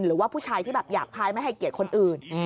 หรือว่าผู้ชายที่แบบหยาบคลายไม่ให้เกียรติคนอื่น